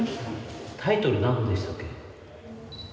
タイトル何でしたっけ？